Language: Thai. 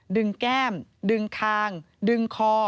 ดึงแก้มดึงขางดึงคอ